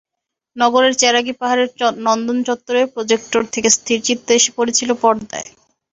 নগরের চেরাগি পাহাড়ের নন্দন চত্বরে প্রোজেক্টর থেকে স্থিরচিত্র এসে পড়ছিল পর্দায়।